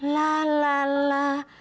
lah lah lah